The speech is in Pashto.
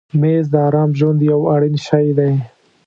مېز د آرام ژوند یو اړین شی دی.